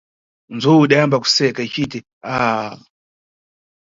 Nzowu idayamba kuseka icit, ah!